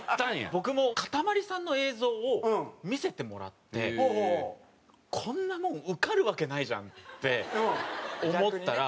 僕もかたまりさんの映像を見せてもらってこんなもん受かるわけないじゃんって思ったら。